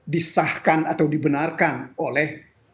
disahkan atau dibenarkan oleh